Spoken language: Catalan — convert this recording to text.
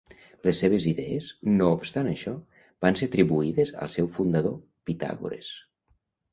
Les seves idees, no obstant això, van ser atribuïdes al seu fundador, Pitàgores.